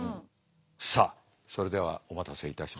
さあそれではお待たせいたしました。